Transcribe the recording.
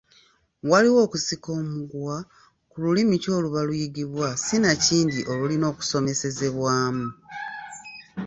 Waaliwo okusika omuguwa ku lulimi ki oluba luyigibwa sinakindi olulina okusomesezebwamu.